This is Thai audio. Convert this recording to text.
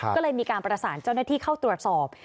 ก็เลยมีการประสานเจ้าหน้าที่เข้าตรวจสอบ